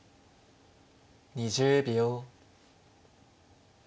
２０秒。